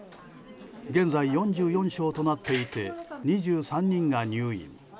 現在４４床となっていて２３人が入院。